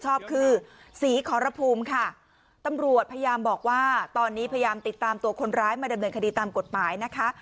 ชอบคือศรีขอรภูมิค่ะตำรวจพยายามบอกว่าตอนนี้พยายามติดตามตัวคนร้ายมาดำเนินคดีตามกฎหมายนะคะ